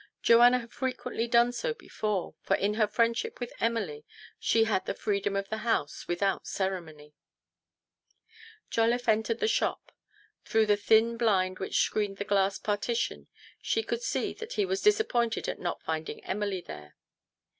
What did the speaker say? Joanna had frequently done so before, for in her friendship with Emily she had the freedom of the house without cere mony. Jolliffe entered the shop. Through the thin blind which screened the glass partition she could see that he was disappointed at not finding Emily there.